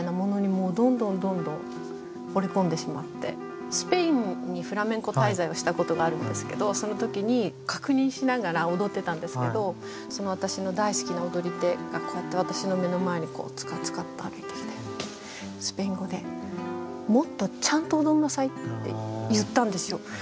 何か私ってこう何て言うんだろうでももうそういうのとは全く違うスペインにフラメンコ滞在をしたことがあるんですけどその時に確認しながら踊ってたんですけどその私の大好きな踊り手がこうやって私の目の前にツカツカッと歩いてきてスペイン語で「もっとちゃんと踊りなさい」って言ったんですよ。